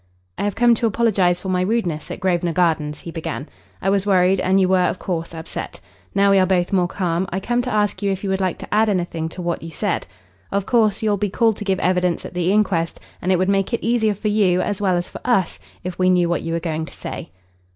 "I have come to apologise for my rudeness at Grosvenor Gardens," he began. "I was worried, and you were, of course, upset. Now we are both more calm, I come to ask you if you would like to add anything to what you said. Of course, you'll be called to give evidence at the inquest, and it would make it easier for you as well as for us if we knew what you were going to say."